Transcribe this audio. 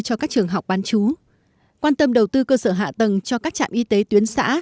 cho các trường học bán chú quan tâm đầu tư cơ sở hạ tầng cho các trạm y tế tuyến xã